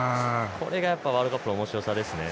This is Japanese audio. これがワールドカップのおもしろさですね。